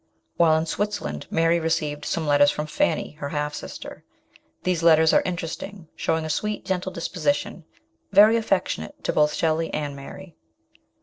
While in Switzerland Mary re ceived some letters from Fanny, her half sister ; these letters are interesting, showing a sweet, gentle dis position, very affectionate to both Shelley and Mary.